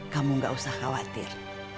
kamu gak usah khawatir